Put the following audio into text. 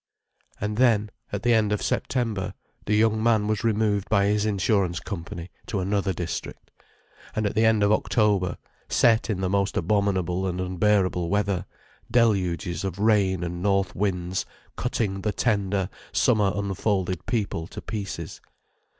And then, at the end of September, the young man was removed by his Insurance Company to another district. And at the end of October set in the most abominable and unbearable weather, deluges of rain and north winds, cutting the tender, summer unfolded people to pieces.